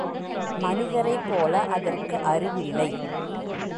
மனிதரைப்போல அதற்கு அறிவில்லை.